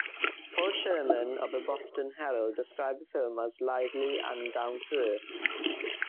Paul Sherman of the Boston Herald described the film as "lively and down-to-earth".